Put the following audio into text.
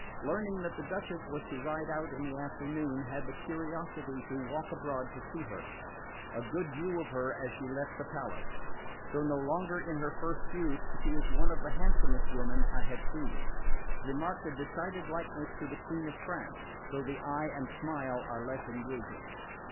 Learning that the Duchess was to ride out in the afternoon, had the curiosity to walk abroad to see her. A good view of her as she left the palace. Though no longer in her first youth she is one of the handsomest women I have seen. Remarked a decided likeness to the Queen of France, though the eye and smile are less engaging.